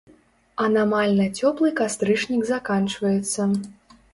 Анамальна цёплы кастрычнік заканчваецца.